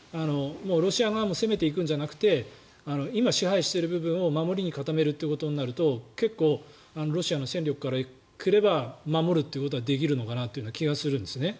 ロシア側も攻めていくんじゃなくて今支配している部分を守りに固めるとなると結構ロシアの戦力からすれば守るということはできるのかなという気がするんですね。